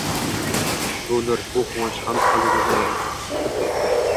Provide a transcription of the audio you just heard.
Bu nur, bu quvonch hanuz qalbimizni yoritib turibdi…